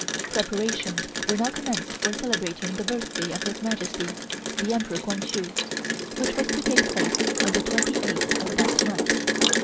Preparations were now commenced for celebrating the birthday of His Majesty, the Emperor Kwang Hsu, which was to take place on the 28th of that month.